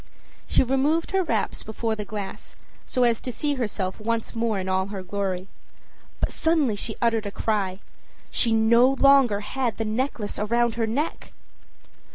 She removed her wraps before the glass so as to see herself once more in all her glory. But suddenly she uttered a cry. She no longer had the necklace around her neck!